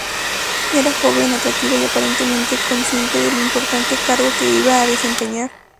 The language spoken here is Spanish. Era joven, atractiva y aparentemente consciente del importante cargo que iba a desempeñar.